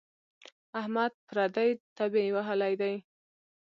احمد پردۍ تبې وهلی دی.